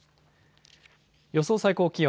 予想最高気温。